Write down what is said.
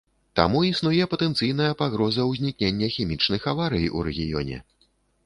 Таму існуе патэнцыйная пагроза ўзнікнення хімічных аварый у рэгіёне.